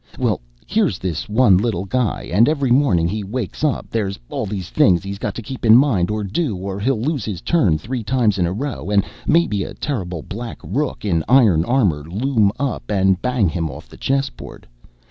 Well, here's this one little guy and every morning he wakes up there's all these things he's got to keep in mind to do or he'll lose his turn three times in a row and maybe a terrible black rook in iron armor'll loom up and bang him off the chessboard.